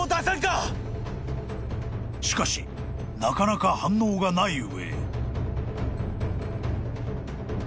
［しかしなかなか反応がない上］